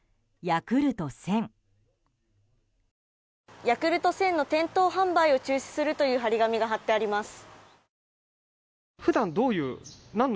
ヤクルト１０００の店頭販売を中止するという貼り紙が貼ってあります。